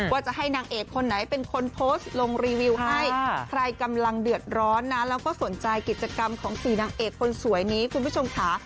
ว่าจะให้นางเอกคนไหนเป็นคนโพสต์ลงรีวิวให้ใครกำลังเดือดร้อนนะแล้วก็สนใจกิจกรรมของ๔นางเอกคนสวยนี้คุณผู้ชมค่ะ